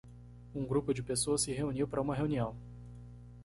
Um grupo de pessoas se reuniu para uma reunião.